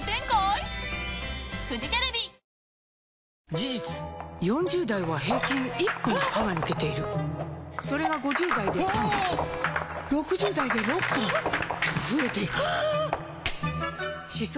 事実４０代は平均１本歯が抜けているそれが５０代で３本６０代で６本と増えていく歯槽